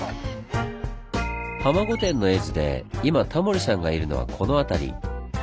浜御殿の絵図で今タモリさんがいるのはこの辺り。